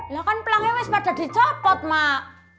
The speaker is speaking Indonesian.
ya kan pelangnya wes pada dicopot mak